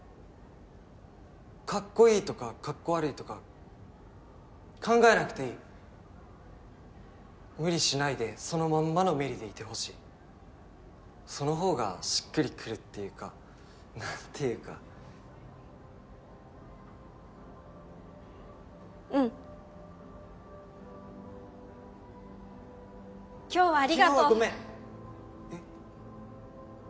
かっこいいとかかっこ悪いとか考えなくていい無理しないでそのまんまの芽李でいてほしいそのほうがしっくりくるっていうかなんていうかうん今日はありがとう昨日はごめんえっ？